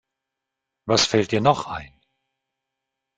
Was fällt dir noch ein?